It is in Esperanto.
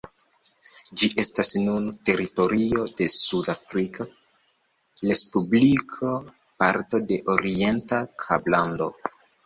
Ĝi estas nun teritorio de Sud-Afrika Respubliko, parto de Orienta Kablando.